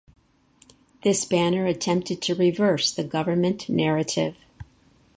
This banner attempted to reverse the government narrative.